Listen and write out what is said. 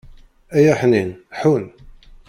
Ay Aḥnin, ḥun!